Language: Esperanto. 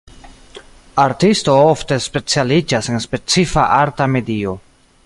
Artisto ofte specialiĝas en specifa arta medio.